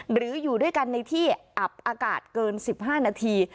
หรืออยู่ด้วยกันในที่อับอากาศเกิน๑๕นาที